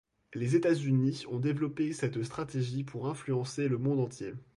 Les États-Unis ont développé cette stratégie pour influencer le monde entier.